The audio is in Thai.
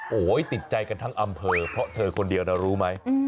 โอ้โหติดใจกันทั้งอำเภอเพราะเธอคนเดียวนะรู้ไหม